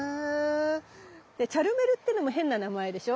でチャルメルってのも変な名前でしょ？